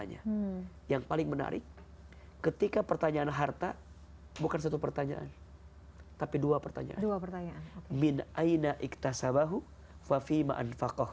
yang paling menarik ketika pertanyaan harta bukan satu pertanyaan tapi dua pertanyaan dua pertanyaan